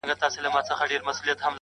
o خدای په ژړا دی، خدای پرېشان دی.